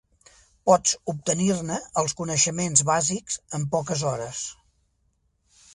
Pots obtenir-ne els coneixements bàsics en poques hores.